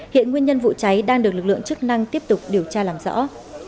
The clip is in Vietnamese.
hiện nguyên nhân vụ cháy đang được lực lượng chức năng tiếp tục điều tra làm rõ